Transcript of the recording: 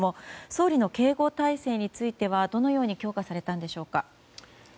総理の警護態勢についてはどのように強化されたんでしょうか。